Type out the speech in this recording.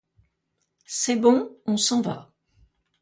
C'est bon, on s'en va.